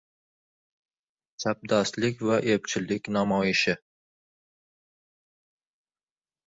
Chapdastlik va epchillik namoyishi